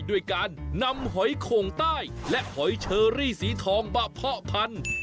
ด้วยการนำหอยโข่งใต้และหอยเชอรี่สีทองมาเพาะพันธุ์